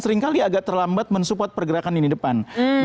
seringkali agak terlambat mensupport pergerakan ini depan